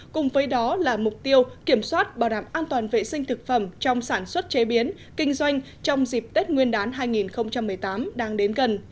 cùng với đó là mục tiêu kiểm soát bảo đảm an toàn vệ sinh thực phẩm trong sản xuất chế biến kinh doanh trong dịp tết nguyên đán hai nghìn một mươi tám đang đến gần